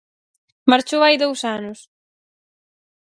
Marchou hai dous anos.